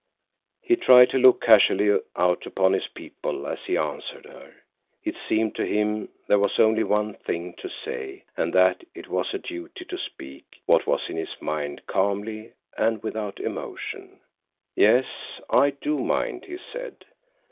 He tried to look casually out upon his people as he answered her. It seemed to him there was only one thing to say, and that it was a duty to speak what was in his mind calmly and without emotion. "Yes, I do mind," he said.